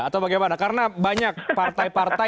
atau bagaimana karena banyak partai partai